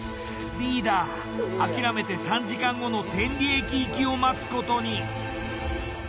リーダー諦めて３時間後の天理駅行きを待つことに。